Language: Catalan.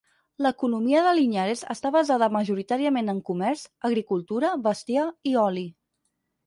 L'economia de Linhares està basada majoritàriament en comerç, agricultura, bestiar i oli.